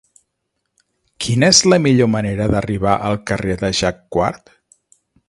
Quina és la millor manera d'arribar al carrer de Jacquard?